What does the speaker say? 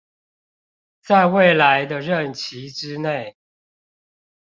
在未來的任期之內